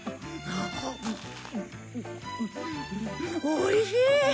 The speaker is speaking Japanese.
おいしい！